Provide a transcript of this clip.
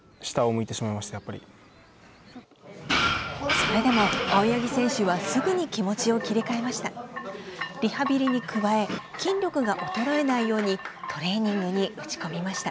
それでも、青柳選手はすぐに気持ちを切り替えました。